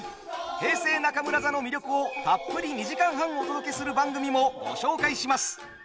平成中村座の魅力をたっぷり２時間半お届けする番組もご紹介します。